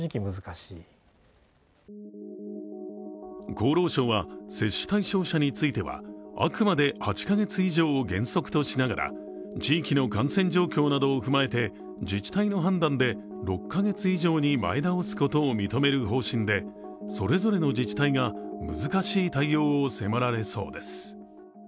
厚労省は接種対象者についてはあくまで８カ月以上を原則としながら、地域の感染状況などを踏まえて自治体の判断で６カ月以上に前倒すことを認める方針でそれぞれの自治体が難しい対応を迫られそうです。